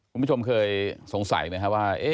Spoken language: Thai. คุณผู้ชมเคยสงสัยไหมครับว่า